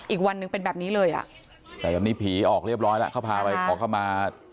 อีกวันหนึ่งเป็นแบบนี้เลยอ่ะแต่วันนี้ผีออกเรียบร้อยแล้วเขาพาไปขอเข้ามา